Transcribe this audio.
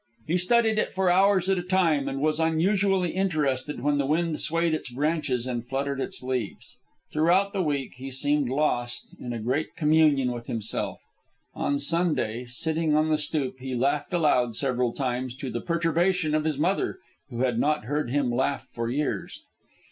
He studied it for hours at a time, and was unusually interested when the wind swayed its branches and fluttered its leaves. Throughout the week he seemed lost in a great communion with himself. On Sunday, sitting on the stoop, he laughed aloud, several times, to the perturbation of his mother, who had not heard him laugh for years.